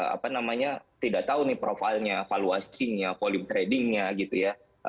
apa namanya tidak tahu nih profilnya valuasinya volume tradingnya gitu ya